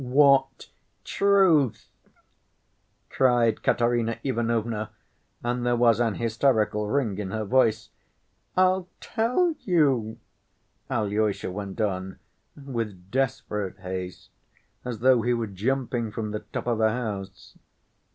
"What truth?" cried Katerina Ivanovna, and there was an hysterical ring in her voice. "I'll tell you," Alyosha went on with desperate haste, as though he were jumping from the top of a house.